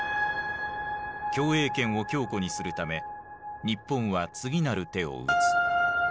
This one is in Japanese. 共栄圏を強固にするため日本は次なる手を打つ。